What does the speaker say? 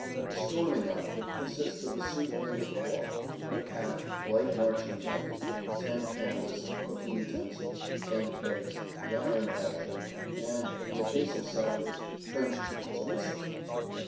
A storming outfit consists of a suit made of cloth, a cap, light marching baggage, tent canvas, cooking utensils, tent pegs, the iron ration, and, in the case of sappers, trench tools also.